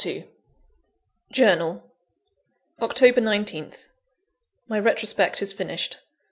_ JOURNAL. October 19th My retrospect is finished.